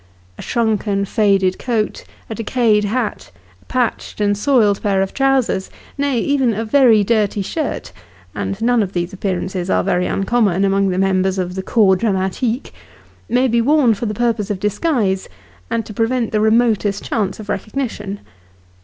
A shrunken, faded coat, a decayed hat, a patched and soiled pair of trousers nay, even a very dirty shirt (and none of these appearances are very uncommon among the members of the corps dramatique), may be worn for the purpose of disguise, and to prevent the remotest chance of recognition.